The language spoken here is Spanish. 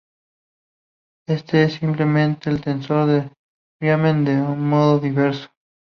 Éste es simplemente el tensor de Riemann de un modo diverso.